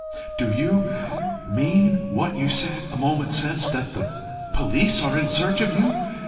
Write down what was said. "Do you mean what you said a moment since that the police are in search of you?"